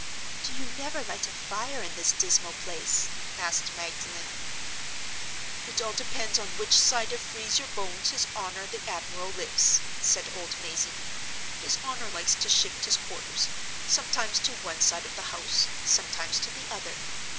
"Do you never light a fire in this dismal place?" asked Magdalen. "It all depends on which side of Freeze your Bones his honor the admiral lives," said old Mazey. "His honor likes to shift his quarters, sometimes to one side of the house, sometimes to the other.